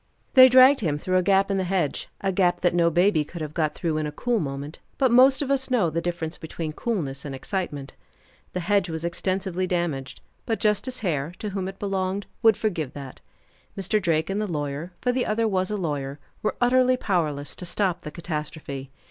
They dragged him through a gap in the hedge, a gap that no baby could have got through in a cool moment; but most of us know the difference between coolness and excitement. The hedge was extensively damaged, but Justice Hare, to whom it belonged, would forgive that. Mr. Drake and the lawyer for the other was a lawyer were utterly powerless to stop the catastrophe.